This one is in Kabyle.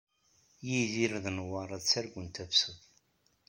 Yidir d Newwara ttargun tafsut.